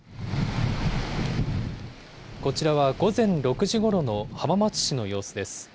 こちらは午前６時ごろの浜松市の様子です。